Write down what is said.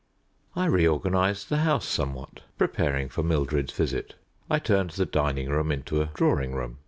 I reorganized the house somewhat, preparing for Mildred's visit. I turned the dining room into a drawing room.